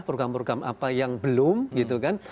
program program apa yang belum gitu kan